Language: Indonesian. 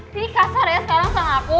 sih kasar ya sekarang sama aku